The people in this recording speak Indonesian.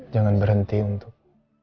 jangan berhenti untuk